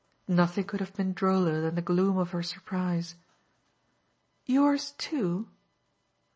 Nothing could have been droller than the gloom of her surprise. "Yours too?"